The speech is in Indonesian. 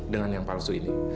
dengan yang palsu ini